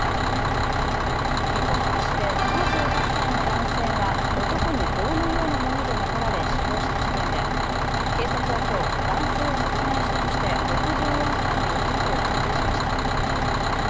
横浜市で７８歳の男性が男に棒のようなもので殴られ死亡した事件で、警察は今日、男性を殺害したとして６４歳の男を逮捕しました。